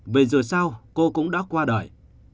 vì dù sao cô cũng đã qua đời